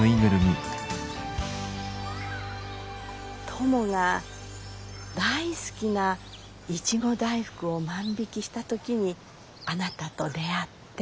トモが大好きなイチゴ大福を万引きした時にあなたと出会って。